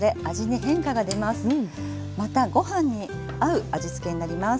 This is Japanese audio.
またご飯に合う味付けになります。